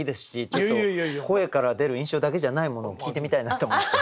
声から出る印象だけじゃないものも聞いてみたいなと思って。